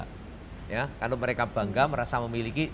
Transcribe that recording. karena mereka bangga merasa memiliki